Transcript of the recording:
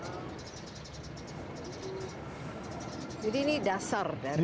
jadi ini dasar dari